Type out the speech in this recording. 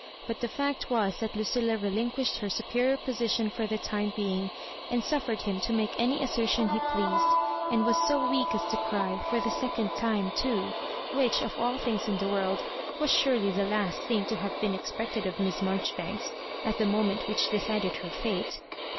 But the fact was that Lucilla relinquished her superior position for the time being, and^uffer ed him to make any assertion he pleased, and was so weak as to cry, for the second time, too — ^which, of all things in the world, was surely the last thing to have been expected of Miss Marjoribanks at the moment which decided her &.te.